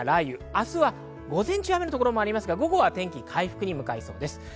明日は午前中、雨のところもありますが午後は天気回復に向かいそうです。